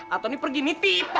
atau ini pergi nitip